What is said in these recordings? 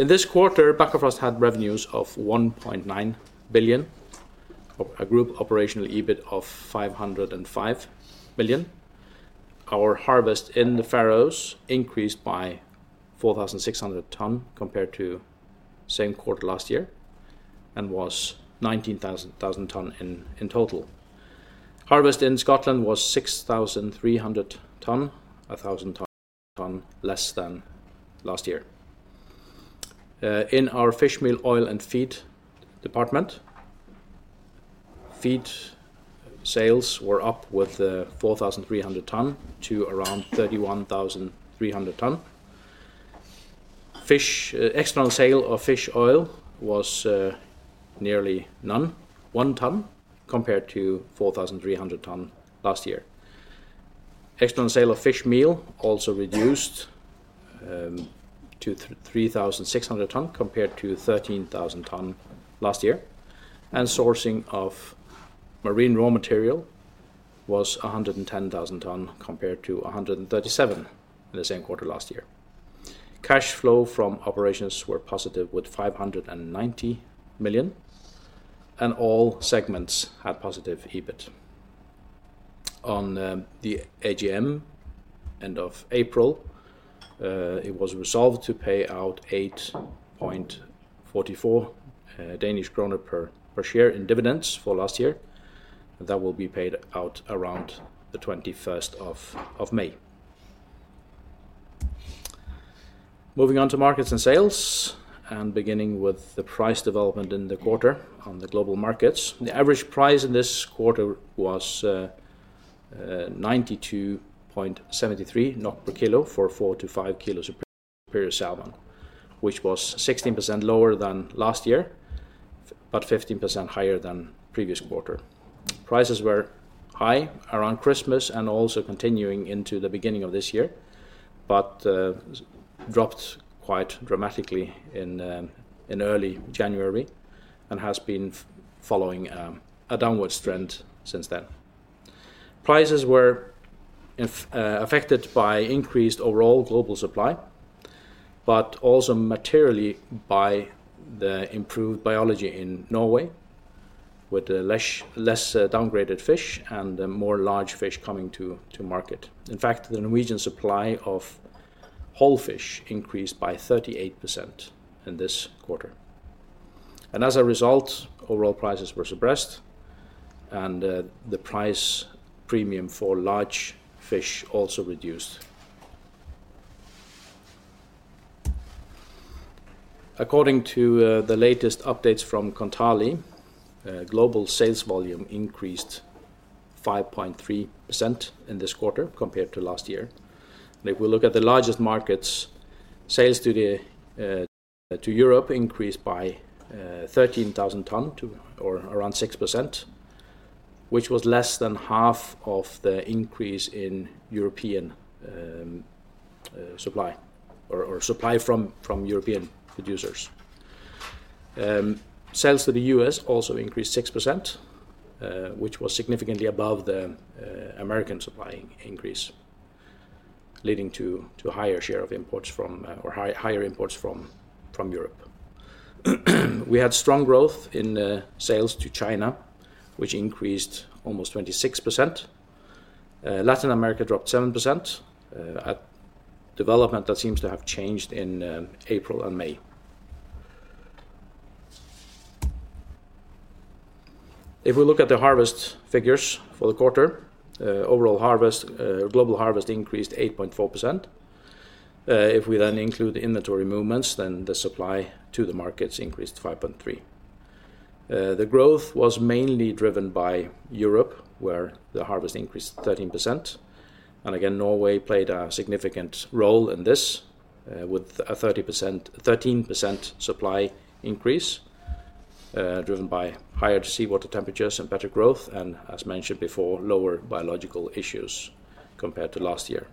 In this quarter, Bakkafrost had revenues of 1.9 billion, a group operational EBIT of 505 million. Our harvest in the Faroes increased by 4,600 tonnes compared to the same quarter last year and was 19,000 tonnes in total. Harvest in Scotland was 6,300 tonnes, a thousand tonnes less than last year. In our fish meal, oil, and feed department, feed sales were up with 4,300 tonnes to around 31,300 tonnes. External sale of fish oil was nearly none, one tonne, compared to 4,300 tonnes last year. External sale of fish meal also reduced to 3,600 tonnes compared to 13,000 tonnes last year. Sourcing of marine raw material was 110,000 tonnes compared to 137,000 tonnes in the same quarter last year. Cash flow from operations was positive with 590 million, and all segments had positive EBIT. On the AGM end of April, it was resolved to pay out 8.44 Danish kroner per share in dividends for last year. That will be paid out around the 21st of May. Moving on to markets and sales, and beginning with the price development in the quarter on the global markets. The average price in this quarter was 92.73 per kilo for four to five kilos of superior salmon, which was 16% lower than last year, but 15% higher than previous quarter. Prices were high around Christmas and also continuing into the beginning of this year, but dropped quite dramatically in early January and has been following a downward trend since then. Prices were affected by increased overall global supply, but also materially by the improved biology in Norway, with less downgraded fish and more large fish coming to market. In fact, the Norwegian supply of whole fish increased by 38% in this quarter. As a result, overall prices were suppressed, and the price premium for large fish also reduced. According to the latest updates from Kontali, global sales volume increased 5.3% in this quarter compared to last year. If we look at the largest markets, sales to Europe increased by 13,000 tonnes, or around 6%, which was less than half of the increase in European supply, or supply from European producers. Sales to the U.S. also increased 6%, which was significantly above the American supply increase, leading to a higher share of imports from, or higher imports from, Europe. We had strong growth in sales to China, which increased almost 26%. Latin America dropped 7%, a development that seems to have changed in April and May. If we look at the harvest figures for the quarter, overall global harvest increased 8.4%. If we then include inventory movements, then the supply to the markets increased 5.3%. The growth was mainly driven by Europe, where the harvest increased 13%. Norway played a significant role in this, with a 13% supply increase, driven by higher seawater temperatures and better growth, and as mentioned before, lower biological issues compared to last year.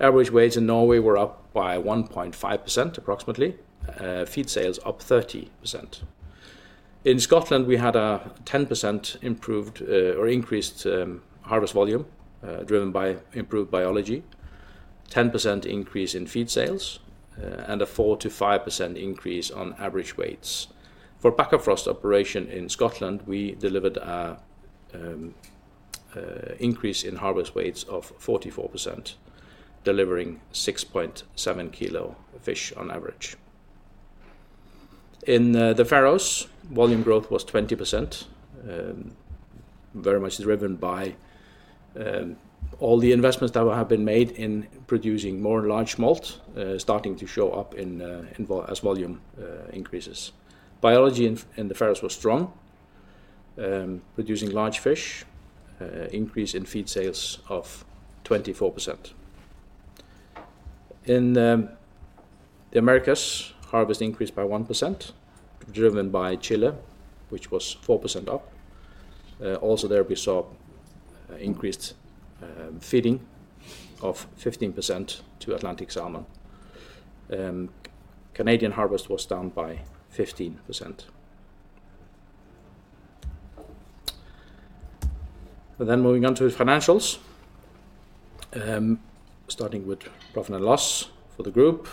Average wages in Norway were up by 1.5%, approximately. Feed sales up 30%. In Scotland, we had a 10% improved, or increased harvest volume, driven by improved biology, 10% increase in feed sales, and a 4-5% increase on average weights. For Bakkafrost operation in Scotland, we delivered an increase in harvest weights of 44%, delivering 6.7 kilo fish on average. In the Faroe Islands, volume growth was 20%, very much driven by all the investments that have been made in producing more large smolt, starting to show up as volume increases. Biology in the Faroe Islands was strong, producing large fish, increase in feed sales of 24%. In the Americas, harvest increased by 1%, driven by Chile, which was 4% up. Also there, we saw increased feeding of 15% to Atlantic salmon. Canadian harvest was down by 15%. Moving on to financials, starting with profit and loss for the group.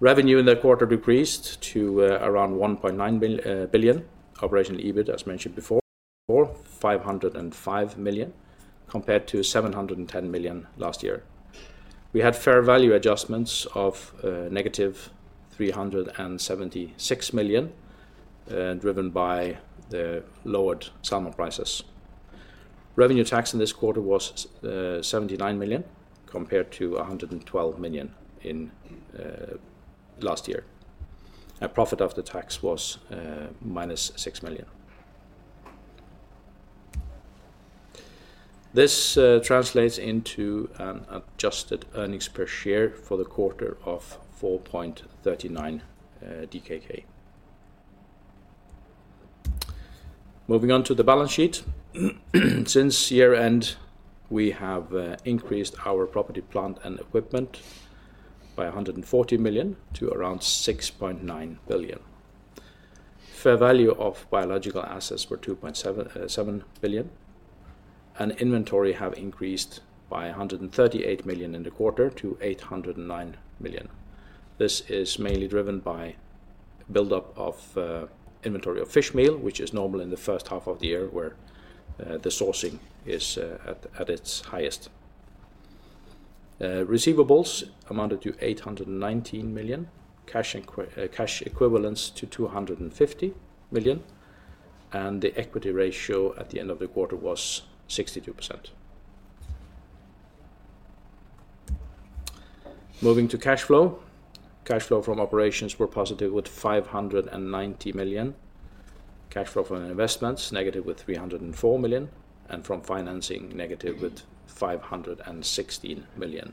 Revenue in the quarter decreased to around 1.9 billion. Operational EBIT, as mentioned before, 505 million, compared to 710 million last year. We had fair value adjustments of -376 million, driven by the lowered salmon prices. Revenue tax in this quarter was 79 million, compared to 112 million last year. Profit after tax was -6 million. This translates into an adjusted earnings per share for the quarter of 4.39 DKK. Moving on to the balance sheet. Since year-end, we have increased our property, plant, and equipment by 140 million to around 6.9 billion. Fair value of biological assets were 2.7 billion. Inventory have increased by 138 million in the quarter to 809 million. This is mainly driven by build-up of inventory of fish meal, which is normal in the first half of the year where the sourcing is at its highest. Receivables amounted to 819 million, cash equivalents to 250 million, and the equity ratio at the end of the quarter was 62%. Moving to cash flow. Cash flow from operations were positive with 590 million. Cash flow from investments negative with 304 million, and from financing negative with 516 million,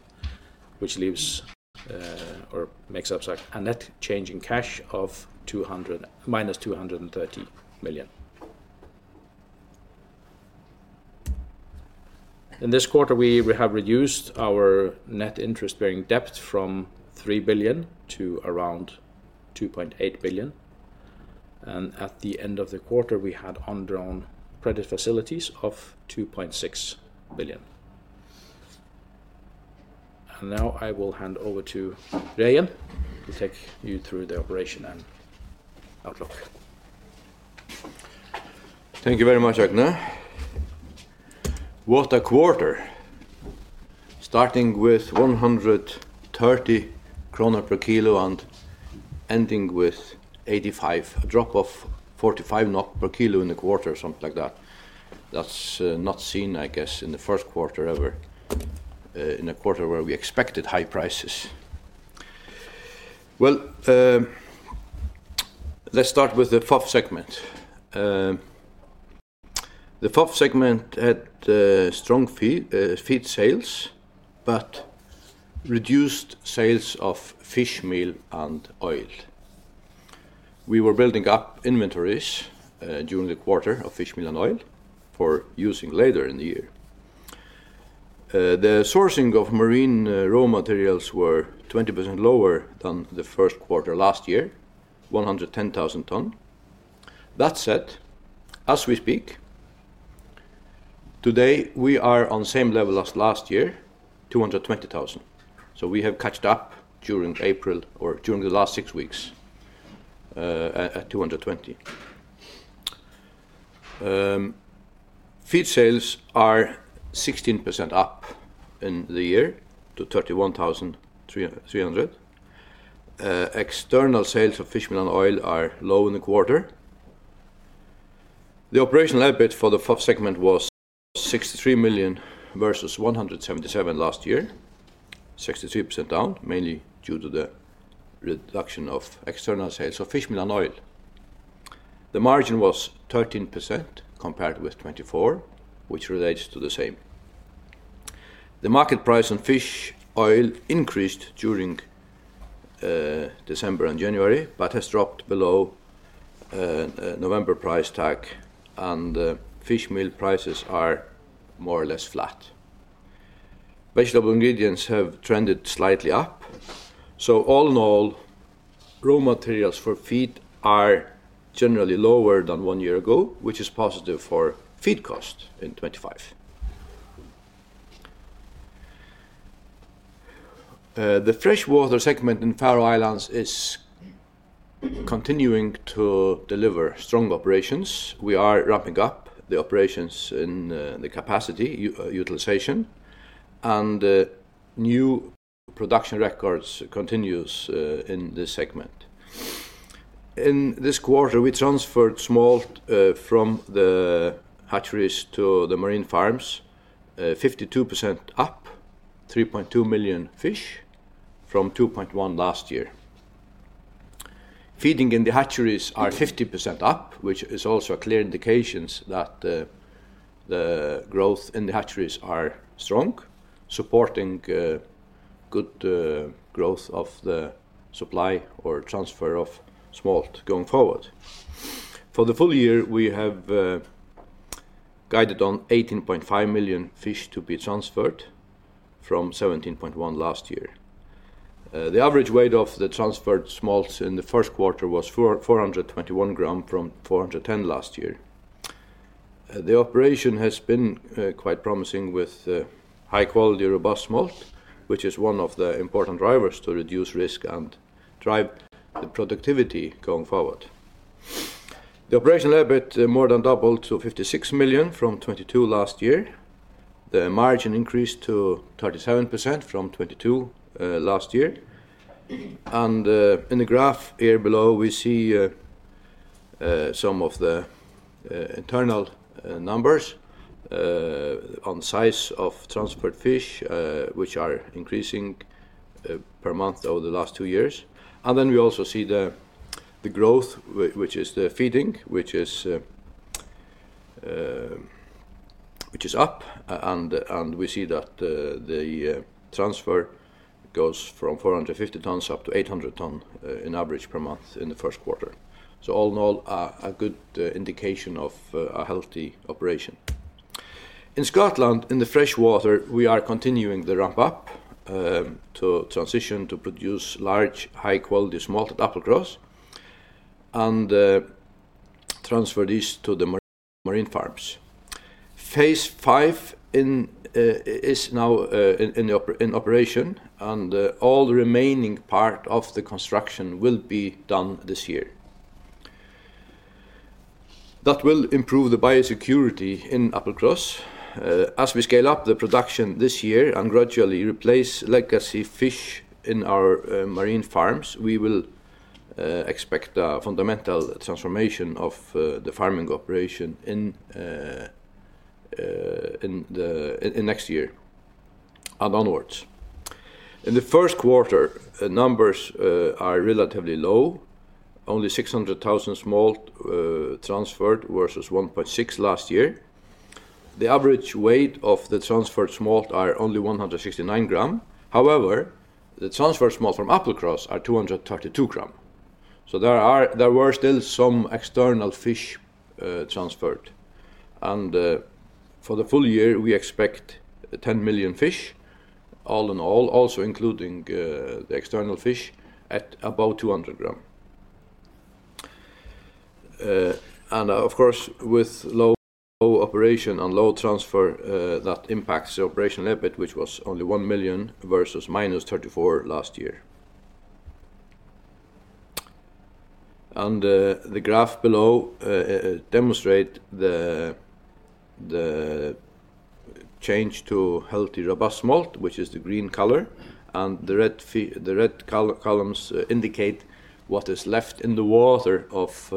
which leaves, or makes up a net change in cash of -230 million. In this quarter, we have reduced our net interest-bearing debt from 3 billion to around 2.8 billion. At the end of the quarter, we had undrawn credit facilities of 2.6 billion. I will now hand over to Reagan to take you through the operation and outlook. Thank you very much, Høgni. What a quarter. Starting with 130 krone per kilo and ending with 85, a drop of 45 kroner per kilo in the quarter, something like that. That's not seen, I guess, in the first quarter ever, in a quarter where we expected high prices. Let's start with the FOF segment. The FOF segment had strong feed sales, but reduced sales of fish meal and oil. We were building up inventories during the quarter of fish meal and oil for using later in the year. The sourcing of marine raw materials was 20% lower than the first quarter last year, 110,000 tonnes. That said, as we speak, today we are on the same level as last year, 220,000. So we have caught up during April, or during the last six weeks, at 220,000. Feed sales are 16% up in the year to 31,300 tonnes. External sales of fish meal and oil are low in the quarter. The operational EBIT for the FOF segment was 63 million versus 177 million last year, 63% down, mainly due to the reduction of external sales of fish meal and oil. The margin was 13% compared with 24%, which relates to the same. The market price on fish oil increased during December and January, but has dropped below November price tag, and fish meal prices are more or less flat. Vegetable ingredients have trended slightly up. All in all, raw materials for feed are generally lower than one year ago, which is positive for feed cost in 2025. The freshwater segment in the Faroe Islands is continuing to deliver strong operations. We are ramping up the operations in the capacity utilization, and new production records continue in this segment. In this quarter, we transferred smolt from the hatcheries to the marine farms, 52% up, 3.2 million fish from 2.1 last year. Feeding in the hatcheries are 50% up, which is also a clear indication that the growth in the hatcheries is strong, supporting good growth of the supply or transfer of smolt going forward. For the full year, we have guided on 18.5 million fish to be transferred from 17.1 last year. The average weight of the transferred smolt in the first quarter was 421 grams from 410 last year. The operation has been quite promising with high-quality, robust smolt, which is one of the important drivers to reduce risk and drive the productivity going forward. The operational EBIT more than doubled to 56 million from 2022 last year. The margin increased to 37% from 2022 last year. In the graph here below, we see some of the internal numbers on size of transferred fish, which are increasing per month over the last two years. We also see the growth, which is the feeding, which is up, and we see that the transfer goes from 450 tonnes up to 800 tonnes in average per month in the first quarter. All in all, a good indication of a healthy operation. In Scotland, in the freshwater, we are continuing the ramp-up to transition to produce large, high-quality smolt at Applecross and transfer these to the marine farms. Phase five is now in operation, and all the remaining part of the construction will be done this year. That will improve the biosecurity in Applecross. As we scale up the production this year and gradually replace legacy fish in our marine farms, we will expect a fundamental transformation of the farming operation in next year and onwards. In the first quarter, numbers are relatively low, only 600,000 smolt transferred versus 1.6 million last year. The average weight of the transferred smolt are only 169 grams. However, the transferred smolt from Apple Grove are 232 grams. There were still some external fish transferred. For the full year, we expect 10 million fish, all in all, also including the external fish, at about 200 grams. Of course, with low operation and low transfer, that impacts the operational EBIT, which was only 1 million versus -34 million last year. The graph below demonstrates the change to healthy robust malt, which is the green color, and the red columns indicate what is left in the water of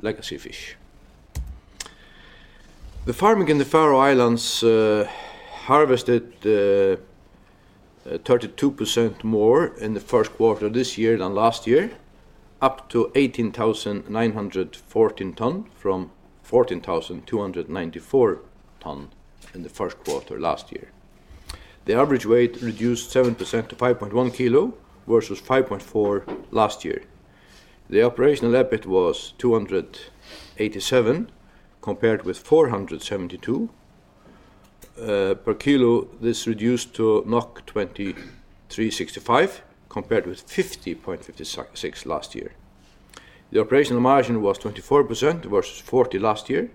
legacy fish. The farming in the Faroe Islands harvested 32% more in the first quarter this year than last year, up to 18,914 tonnes from 14,294 tonnes in the first quarter last year. The average weight reduced 7% to 5.1 kilos versus 5.4 last year. The operational EBIT was 287 million compared with 472 million. Per kilo, this reduced to 23.65 compared with 50.56 last year. The operational margin was 24% versus 40% last year.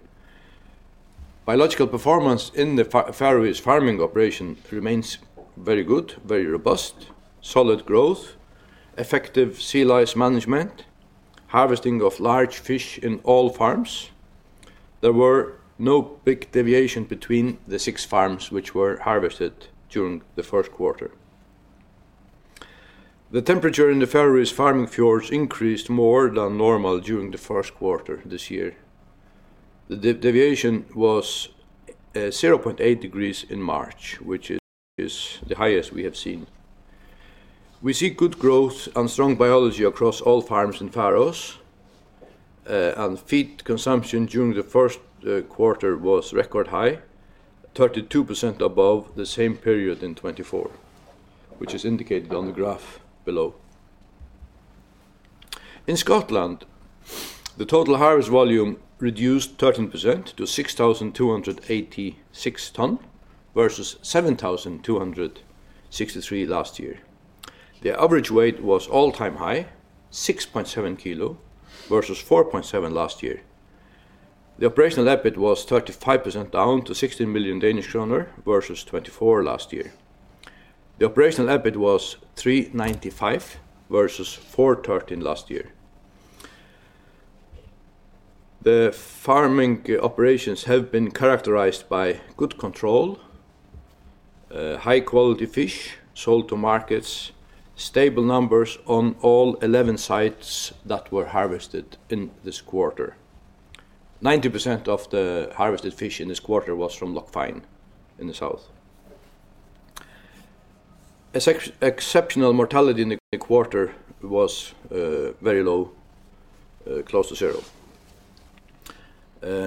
Biological performance in the Faroe Islands farming operation remains very good, very robust, solid growth, effective sea lice management, harvesting of large fish in all farms. There were no big deviations between the six farms which were harvested during the first quarter. The temperature in the Faroe Islands farming fjords increased more than normal during the first quarter this year. The deviation was 0.8 degrees in March, which is the highest we have seen. We see good growth and strong biology across all farms in Faroe Islands, and feed consumption during the first quarter was record high, 32% above the same period in 2024, which is indicated on the graph below. In Scotland, the total harvest volume reduced 13% to 6,286 tonnes versus 7,263 last year. The average weight was all-time high, 6.7 kilos versus 4.7 last year. The operational EBIT was 35% down to 16 million Danish kroner versus 24 million last year. The operational EBIT was 395 million versus 413 million last year. The farming operations have been characterized by good control, high-quality fish sold to markets, stable numbers on all 11 sites that were harvested in this quarter. 90% of the harvested fish in this quarter was from Loch Fyne in the south. Exceptional mortality in the quarter was very low, close to zero.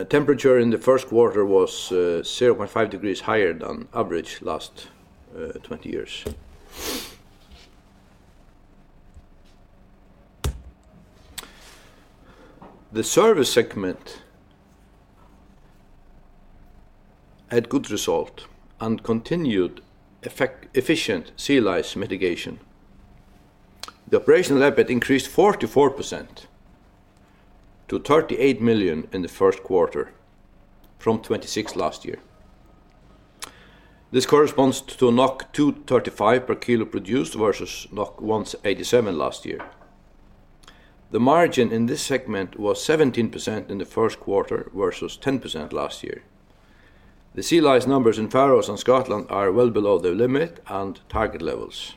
Temperature in the first quarter was 0.5 degrees higher than average last 20 years. The service segment had good result and continued efficient sea lice mitigation. The operational EBIT increased 44% to 38 million in the first quarter from 26 million last year. This corresponds to 235 per kilo produced versus 187 last year. The margin in this segment was 17% in the first quarter versus 10% last year. The sea lice numbers in Faroe Islands and Scotland are well below the limit and target levels.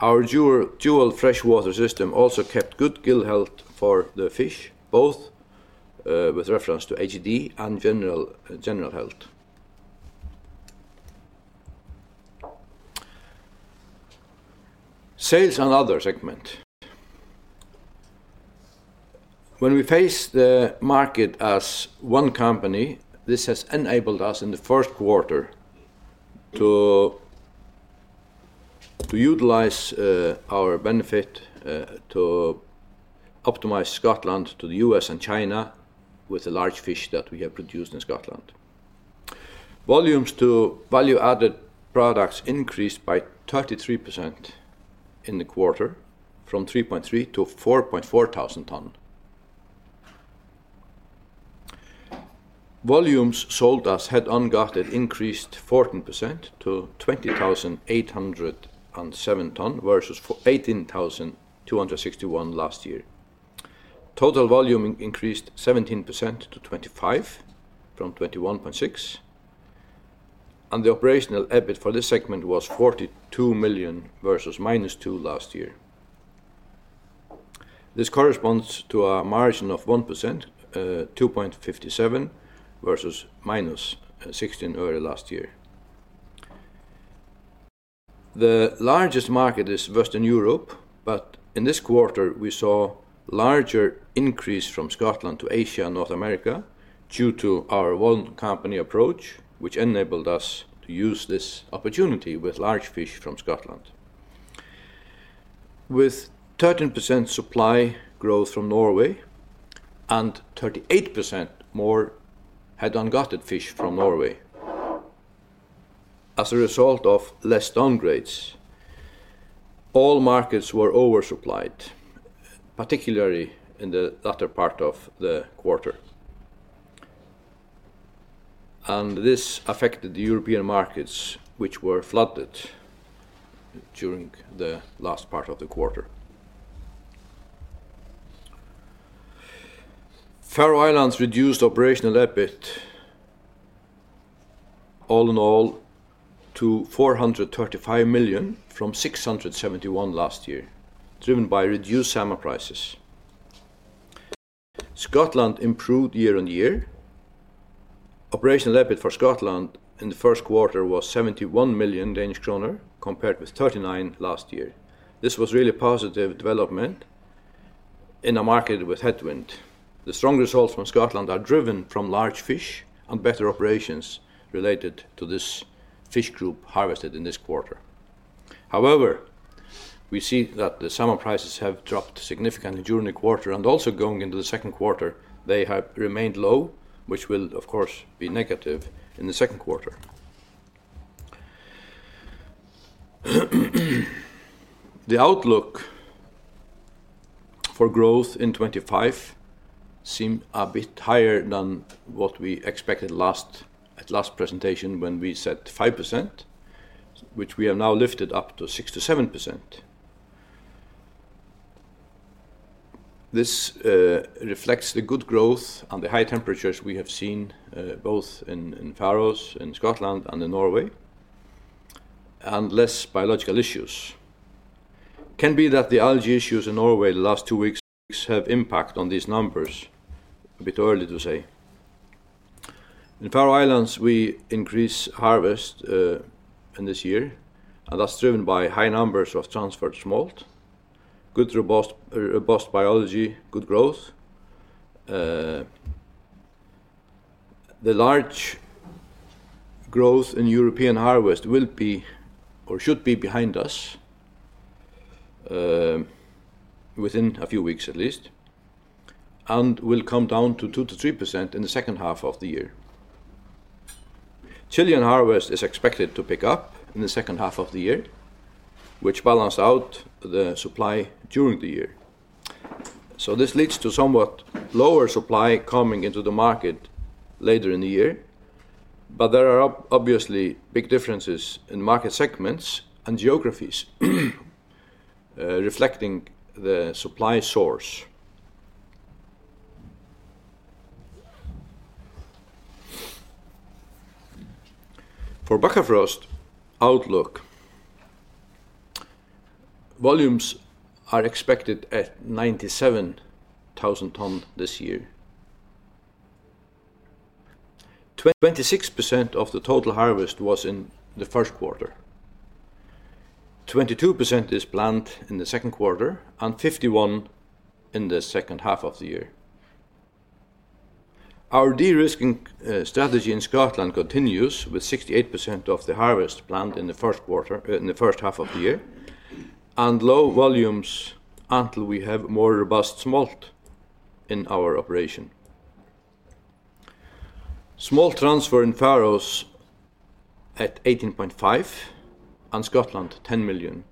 Our dual freshwater system also kept good gill health for the fish, both with reference to HGD and general health. Sales and other segment. When we face the market as one company, this has enabled us in the first quarter to utilize our benefit to optimize Scotland to the US and China with the large fish that we have produced in Scotland. Volumes to value-added products increased by 33% in the quarter from 3.3 to 4.4 thousand tonnes. Volumes sold as head-on gutted increased 14% to 20,807 tonnes versus 18,261 last year. Total volume increased 17% to 25 from 21.6, and the operational EBIT for this segment was 42 million versus minus 2 million last year. This corresponds to a margin of 1%, 2.57 versus -16 last year. The largest market is Western Europe, but in this quarter, we saw a larger increase from Scotland to Asia and North America due to our one company approach, which enabled us to use this opportunity with large fish from Scotland. With 13% supply growth from Norway and 38% more head-on gutted fish from Norway as a result of less downgrades, all markets were oversupplied, particularly in the latter part of the quarter. This affected the European markets, which were flooded during the last part of the quarter. Faroe Islands reduced operational EBIT all in all to 435 million from 671 million last year, driven by reduced summer prices. Scotland improved year on year. Operational EBIT for Scotland in the first quarter was 71 million Danish kroner compared with 39 million last year. This was really positive development in a market with headwind. The strong results from Scotland are driven from large fish and better operations related to this fish group harvested in this quarter. However, we see that the summer prices have dropped significantly during the quarter, and also going into the second quarter, they have remained low, which will, of course, be negative in the second quarter. The outlook for growth in 2025 seemed a bit higher than what we expected at last presentation when we said 5%, which we have now lifted up to 6-7%. This reflects the good growth and the high temperatures we have seen both in Faroe Islands, in Scotland, and in Norway, and less biological issues. It can be that the algae issues in Norway the last two weeks have impact on these numbers, a bit early to say. In Faroe Islands, we increased harvest in this year, and that's driven by high numbers of transferred smolt, good robust biology, good growth. The large growth in European harvest will be or should be behind us within a few weeks at least, and will come down to 2-3% in the second half of the year. Chilean harvest is expected to pick up in the second half of the year, which balances out the supply during the year. This leads to somewhat lower supply coming into the market later in the year, but there are obviously big differences in market segments and geographies reflecting the supply source. For Bakkafrost, volumes are expected at 97,000 tonnes this year. 26% of the total harvest was in the first quarter. 22% is planned in the second quarter and 51% in the second half of the year. Our de-risking strategy in Scotland continues with 68% of the harvest planned in the first quarter, in the first half of the year, and low volumes until we have more robust smolt in our operation. Smolt transfer in Faroe Islands at 18.5 million and Scotland 10 million.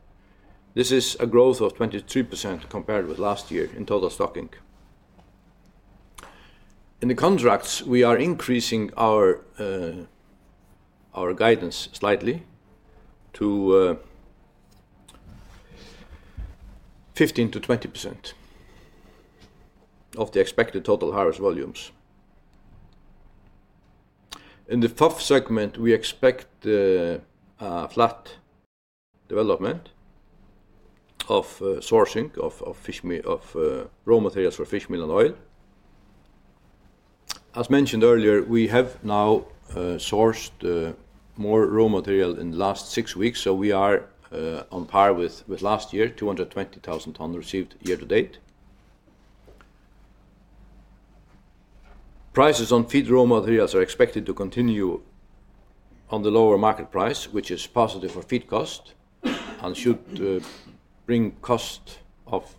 This is a growth of 23% compared with last year in total stocking. In the contracts, we are increasing our guidance slightly to 15-20% of the expected total harvest volumes. In the FOFF segment, we expect a flat development of sourcing of raw materials for fish meal and oil. As mentioned earlier, we have now sourced more raw material in the last six weeks, so we are on par with last year, 220,000 tonnes received year to date. Prices on feed raw materials are expected to continue on the lower market price, which is positive for feed cost and should bring cost of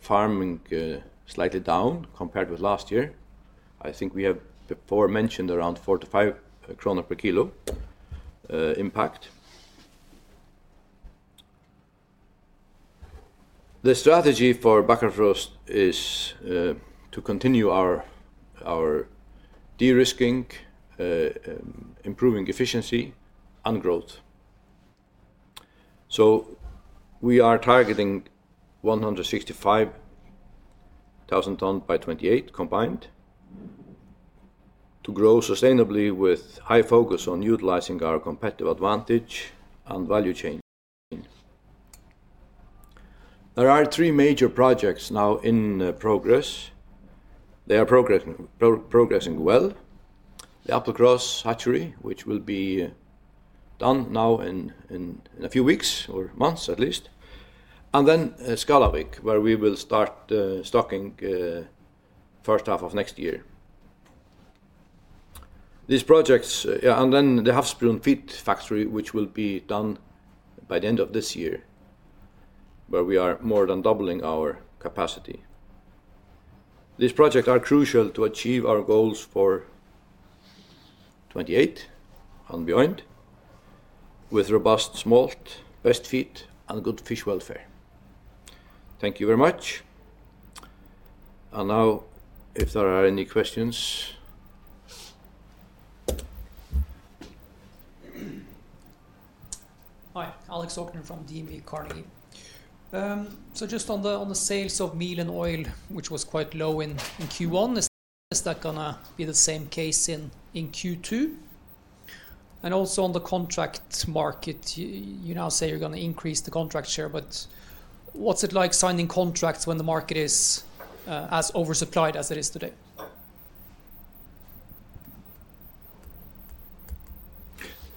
farming slightly down compared with last year. I think we have before mentioned around 4-5 krone per kilo impact. The strategy for Bakkafrost is to continue our de-risking, improving efficiency, and growth. We are targeting 165,000 tonnes by 2028 combined to grow sustainably with high focus on utilizing our competitive advantage and value chain. There are three major projects now in progress. They are progressing well: the Applecross Hatchery, which will be done now in a few weeks or months at least, and then Skálavík where we will start stocking the first half of next year. These projects, and then the Havsbrún feed factory, which will be done by the end of this year, where we are more than doubling our capacity. These projects are crucial to achieve our goals for 2028 and beyond with robust smolt, best feed, and good fish welfare. Thank you very much. If there are any questions. Hi, Alex Aukner from DNB Carnegie. Just on the sales of meal and oil, which was quite low in Q1, is that going to be the same case in Q2? Also on the contract market, you now say you are going to increase the contract share, but what is it like signing contracts when the market is as oversupplied as it is today?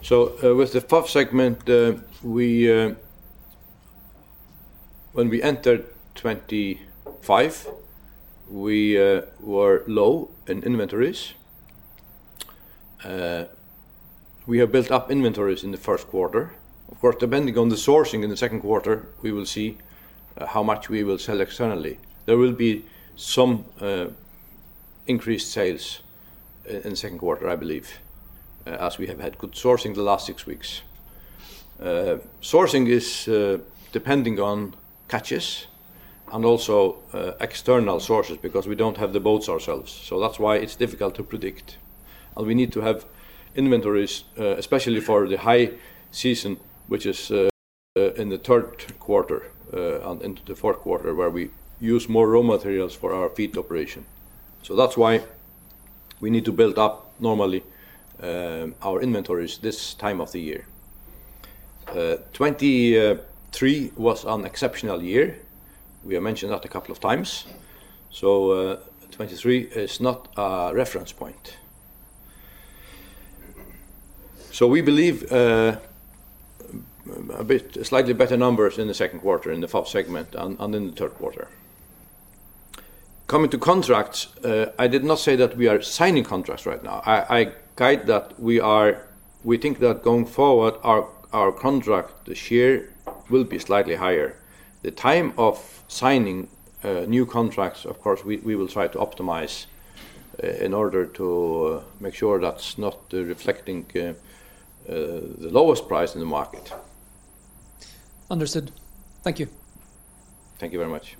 With the FOFF segment, when we entered 2025, we were low in inventories. We have built up inventories in the first quarter. Of course, depending on the sourcing in the second quarter, we will see how much we will sell externally. There will be some increased sales in the second quarter, I believe, as we have had good sourcing the last six weeks. Sourcing is depending on catches and also external sources because we do not have the boats ourselves. That is why it is difficult to predict. We need to have inventories, especially for the high season, which is in the third quarter and into the fourth quarter, where we use more raw materials for our feed operation. That is why we need to build up normally our inventories this time of the year. 2023 was an exceptional year. We have mentioned that a couple of times. 2023 is not a reference point. We believe a bit slightly better numbers in the second quarter in the FOFF segment and in the third quarter. Coming to contracts, I did not say that we are signing contracts right now. I guide that we think that going forward, our contract this year will be slightly higher. The time of signing new contracts, of course, we will try to optimize in order to make sure that's not reflecting the lowest price in the market. Understood. Thank you. Thank you very much.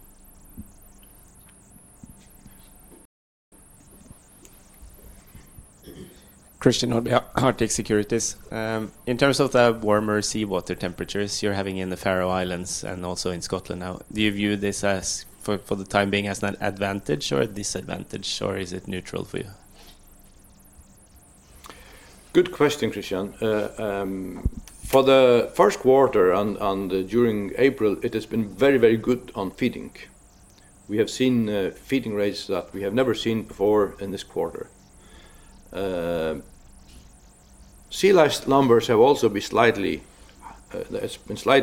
Christian Nordby, Arctic Securities. In terms of the warmer seawater temperatures you're having in the Faroe Islands and also in Scotland now, do you view this for the time being as an advantage or a disadvantage, or is it neutral for you? Good question, Christian. For the first quarter and during April, it has been very, very good on feeding. We have seen feeding rates that we have never seen before in this quarter. Sea lice numbers have also been slightly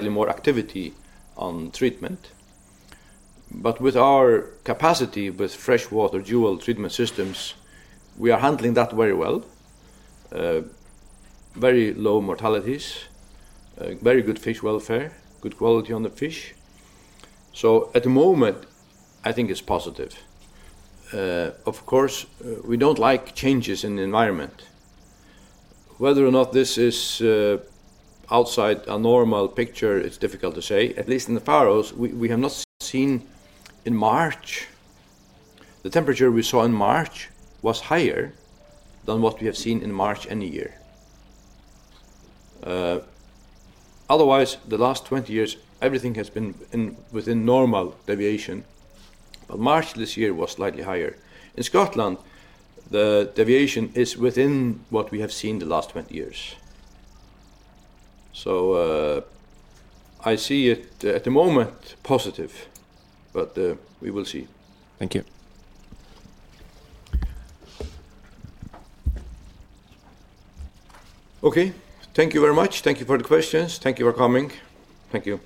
more activity on treatment. With our capacity with freshwater dual treatment systems, we are handling that very well. Very low mortalities, very good fish welfare, good quality on the fish. At the moment, I think it's positive. Of course, we don't like changes in the environment. Whether or not this is outside a normal picture, it's difficult to say. At least in the Faroe Islands, we have not seen in March. The temperature we saw in March was higher than what we have seen in March any year. Otherwise, the last 20 years, everything has been within normal deviation. March this year was slightly higher. In Scotland, the deviation is within what we have seen the last 20 years. I see it at the moment positive, but we will see. Thank you. Okay. Thank you very much. Thank you for the questions. Thank you for coming. Thank you.